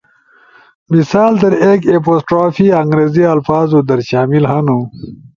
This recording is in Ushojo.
مثال در، ایکapostrophe انگریزی الفاظو در شامل ہنو